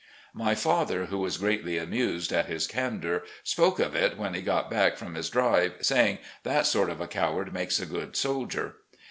My father, who was greatly amused at his candour, spoke of it when he got back from his drive, saying " that sort of a coward makes a good soldier."